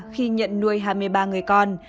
khi nhận nuôi hai mươi ba người con